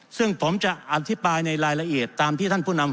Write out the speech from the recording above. ซึ่งผมจะอธิบายในรายละเอียดตามที่ท่านผู้นำ